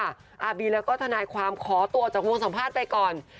อาร์บีแล้วก็ทนายความขอตัวจากวงสัมภาษณ์ไปก่อน